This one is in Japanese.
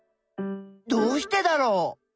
どうしてだろう？